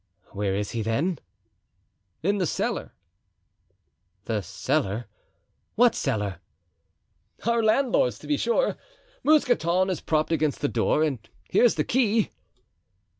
"Where is he, then?" "In the cellar." "The cellar—what cellar?" "Our landlord's, to be sure. Mousqueton is propped against the door and here's the key."